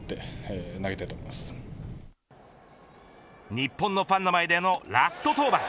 日本のファンの前でのラスト登板。